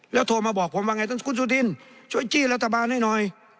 โทรมาบอกผมว่าไงท่านคุณสุธินช่วยจี้รัฐบาลให้หน่อย